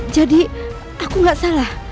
jadi aku gak salah